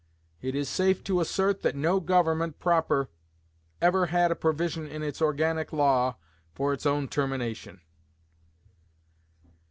It is safe to assert that no Government proper ever had a provision in its organic law for its own termination.